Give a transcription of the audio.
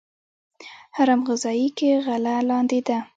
هرم غذایی کې غله لاندې ده.